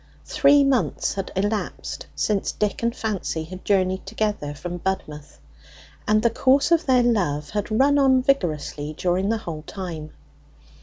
Three months had elapsed since Dick and Fancy had journeyed together from Budmouth, and the course of their love had run on vigorously during the whole time.